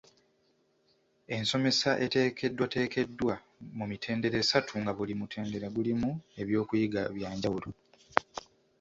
Ensomesa eteekeddwateekeddwa mu mitendera esatu nga buli mutendera gulimu ebyokuyiga bya njawulo.